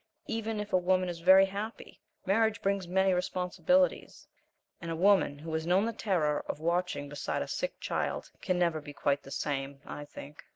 Even if a woman is very happy, marriage brings many responsibilities, and a woman who has known the terror of watching beside a sick child can never be quite the same, I think.